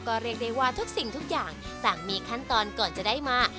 ก็เรียกได้ว่าทุกสิ่งทุกอย่างต่างมีขั้นตอนก่อนจะได้มา